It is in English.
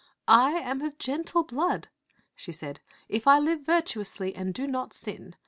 " I am of gentle blood," she said, " if I live virtuously and do not sin.